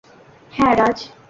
হ্যাঁ, রাজ।